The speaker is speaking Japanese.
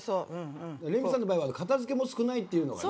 レミさんの場合は片付けも少ないっていうのが。